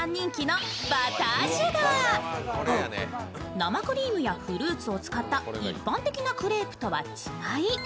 生クリームやフルーツを使った一般的なクレープとは違い